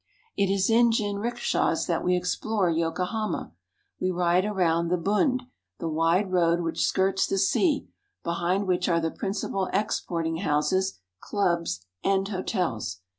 It is in jinrikishas that we explore Yokohama. We ride around The Bund, the wide road which skirts the sea, be hind which are the principal exporting houses, clubs, and hotels.